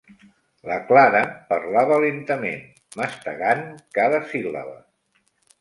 La Clara parlava lentament, mastegant cada síl·laba.